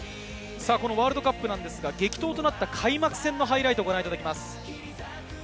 ワールドカップは激闘となった開幕戦のハイライトをご覧いただきます。